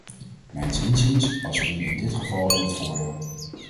Mijns inziens was u in dit geval in het voordeel.